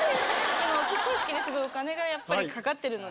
結婚式ですごいお金がやっぱりかかってるので。